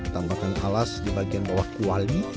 tambahkan alas di bagian bawah kuali